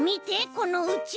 このうちわ！